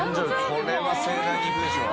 これは盛大にいくでしょう。